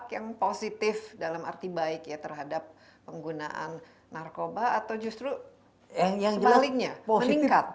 yang positif dalam arti baik ya terhadap penggunaan narkoba atau justru sebaliknya meningkat